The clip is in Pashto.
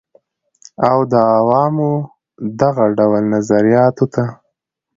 او د عوامو دغه ډول نظریاتو ته